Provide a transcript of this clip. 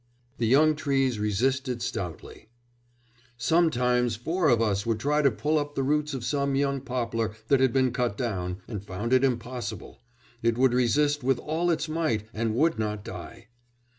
The young trees resisted stoutly: "Sometimes four of us would try to pull up the roots of some young poplar that had been cut down, and found it impossible; it would resist with all its might and would not die."